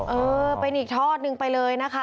เออเป็นอีกทอดหนึ่งไปเลยนะคะ